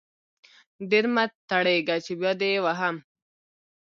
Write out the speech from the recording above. ډير مه ټرتيږه چې بيا دې وهم.